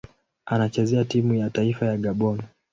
Anachezea timu ya taifa ya Gabon.